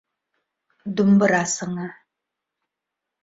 ДУМБЫРА СЫҢЫ